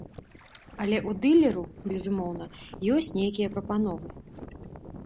Але ў дылераў, безумоўна, ёсць нейкія прапановы.